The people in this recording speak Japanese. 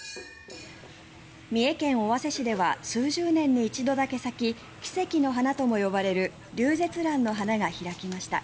三重県尾鷲市では数十年に一度だけ咲き奇跡の花とも呼ばれるリュウゼツランの花が開きました。